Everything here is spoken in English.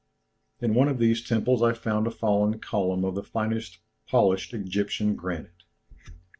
In one of these temples I found a fallen column of the finest polished Egyptian granite.